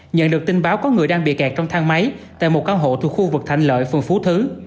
nhận được tin báo có người đang bị kẹt trong thang máy tại một căn hộ thuộc khu vực thạnh lợi phường phú thứ